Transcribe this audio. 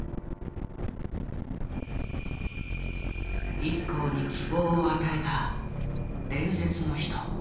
ＩＫＫＯに希望を与えた伝説の人。